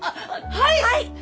はい！